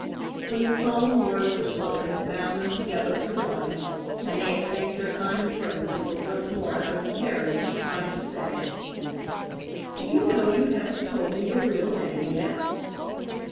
When the solemn words were spoken that bound them together through life, and they had thanked their kind friends and were once more out in the carriage, Tryon said: "Do you know you haven't told me your real name yet?"